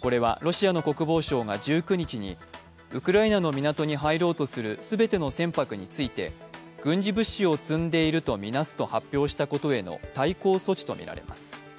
これはロシアの国防省が１９日にウクライナの港に入ろうとする全ての船舶について軍事物資を積んでいるとみなすと発表したことへの対抗措置とみられます。